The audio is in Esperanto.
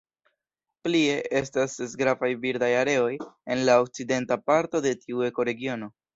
Plie, estas ses Gravaj birdaj areoj en la okcidenta parto de tiu ekoregiono.